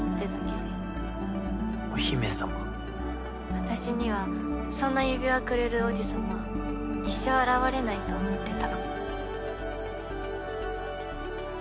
私にはそんな指輪をくれる王子様一生現れないと思ってた。